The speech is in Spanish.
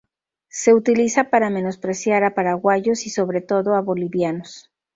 Se utiliza para menospreciar a paraguayos y sobre todo a bolivianos.